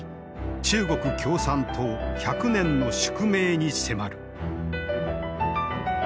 中国共産党１００年の宿命に迫る。